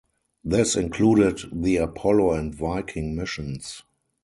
This included the Apollo and Viking missions.